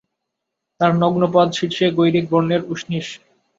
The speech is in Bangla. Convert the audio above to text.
তাঁহার নগ্ন পদ, শীর্ষে গৈরিকবর্ণের উষ্ণীষ।